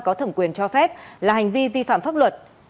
có thẩm quyền cho phép là hành vi vi phạm pháp luật